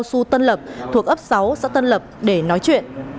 khu tân lập thuộc ấp sáu xã tân lập để nói chuyện